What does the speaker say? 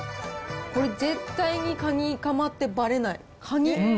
これ、絶対にかにかまってばれない、カニ。